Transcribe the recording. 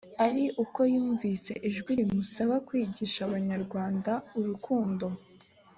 ari uko yumvise ijwi rimusaba kwigisha abanyarwanda urukundo